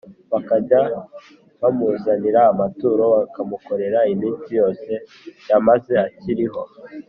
bakajya bamuzanira amaturo, bakamukorera iminsi yose yamaze akiriho